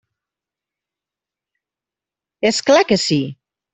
És clar que sí.